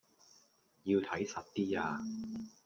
要睇實啲呀